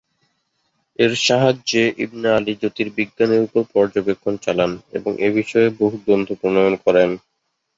এর সাহায্যে Ibn Ali জ্যোতির্বিজ্ঞানের উপর পর্যবেক্ষণ চালান এবং এ বিষয়ে বহু গ্রন্থ প্রণয়ন করেন।